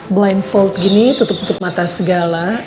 blindfold gini tutup tutup mata segala